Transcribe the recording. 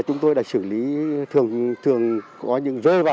chúng tôi đã xử lý thường có những rơi vãi